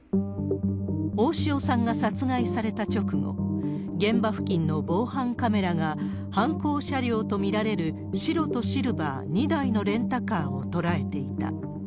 大塩さんが殺害された直後、現場付近の防犯カメラが、犯行車両と見られる白とシルバー２台のレンタカーを捉えていた。